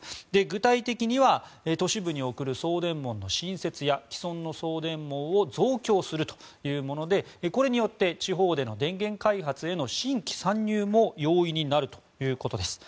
具体的には都市部に送る送電網の新設や既存の送電網を増強するというものでこれによって地方での電源開発への新規参入も容易になるということです。